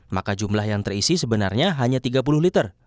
maka jumlah yang terisi sebenarnya hanya tiga puluh liter